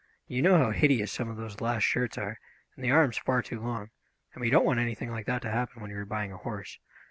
You know how hideous some of those last shirts are, and the arms far too long, and we don't want anything like that to happen when you are buying a horse.